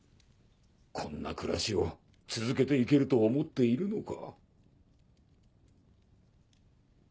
こんな暮らしを続けて行けると思っているのか？